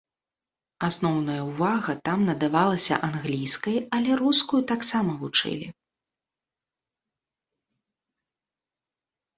Асноўная ўвага там надавалася англійскай, але рускую таксама вучылі.